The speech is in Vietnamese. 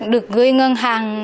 được gửi ngân hàng